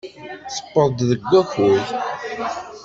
Tewweḍ-d deg wakud.